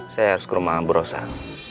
saya harus ke rumah buruh sam